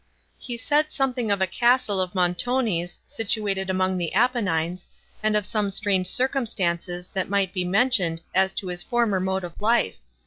He said something of a castle of Montoni's, situated among the Apennines, and of some strange circumstances, that might be mentioned, as to his former mode of life.